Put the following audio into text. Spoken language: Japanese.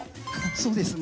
そうですね。